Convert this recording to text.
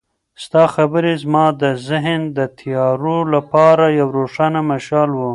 ستا خبرې زما د ذهن د تیارو لپاره یو روښانه مشال و.